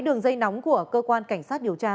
đường dây nóng của cơ quan cảnh sát điều tra